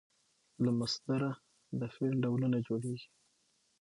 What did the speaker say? له مصدره د فعل ډولونه جوړیږي.